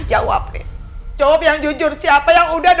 jawab ya jawab jawab yang jujur siapa yang udah